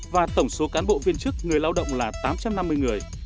và tổng số cán bộ viên chức người lao động là tám trăm năm mươi người